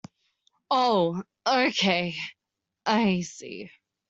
Oh okay, I see.